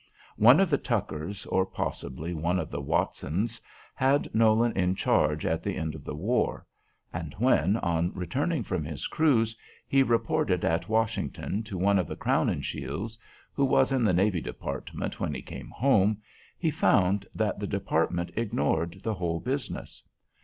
One of the Tuckers, or possibly one of the Watsons, had Nolan in charge at the end of the war; and when, on returning from his cruise, he reported at Washington to one of the Crowninshields, who was in the Navy Department when he came home, he found that the Department ignored the whole business.